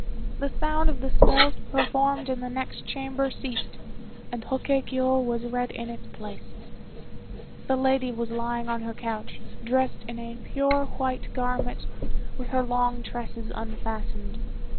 The sound of the spells performed in the next chamber ceased, and Hoke kiô was read in its place. The lady was lying on her couch, dressed in a pure white garment, with her long tresses unfastened.